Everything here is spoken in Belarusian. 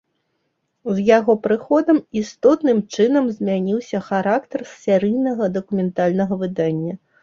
З яго прыходам істотным чынам змяніўся характар серыйнага дакументальнага выдання.